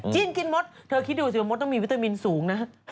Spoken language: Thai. จีนกินมดเธอคิดดูสิว่ามดต้องมีวิตามินสูงนะ